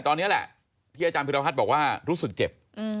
ตอนนี้แหละที่อาจารย์พิรพัฒน์บอกว่ารู้สึกเจ็บ